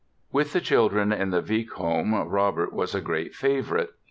With the children in the Wieck home Robert was a great favorite.